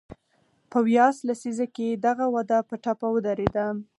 په ویاس لسیزه کې دغه وده په ټپه ودرېده.